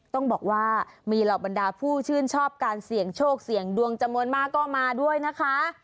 ต้องบอกว่ามีเหล่าบรรดาผู้ชื่นชอบการเสี่ยงโชคเสี่ยงดวงจำนวนมากก็มาด้วยนะคะ